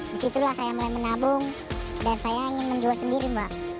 disitulah saya mulai menabung dan saya ingin menjual sendiri mbak